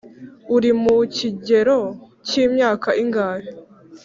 uri mu kigero cy imyaka ingahe